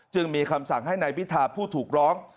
จึงมีคำสั่งให้นายพิธาผู้ถูกร้อง